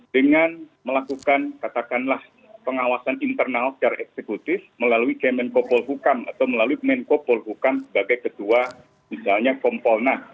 dengan melakukan katakanlah pengawasan internal secara eksekutif melalui kemenkopol hukum atau melalui menkopol hukum sebagai kedua misalnya komponat